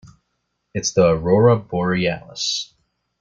It's the aurora borealis.